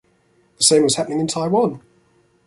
The same was happening in Taiwan.